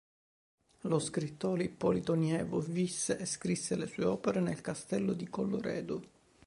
Lo scrittore Ippolito Nievo visse e scrisse le sue opere nel castello di Colloredo.